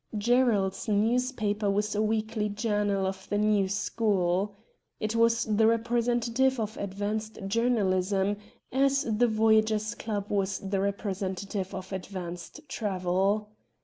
Gerald's newspaper was a weekly journal of the new school. It was the representative of advanced journalism, as the Voyagers' Club was the representative of advanced travel.